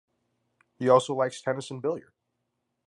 He also likes tennis and billiard.